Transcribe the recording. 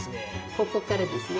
ここからですね？